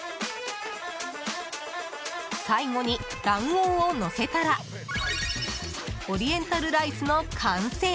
最後に卵黄をのせたらオリエンタルライスの完成。